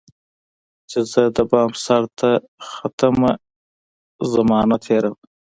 چي زه دبام سرته ختمه، زمانه تیره ده